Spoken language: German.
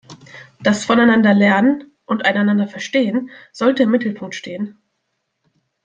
Das Voneinander-Lernen und Einanderverstehen sollte im Mittelpunkt stehen.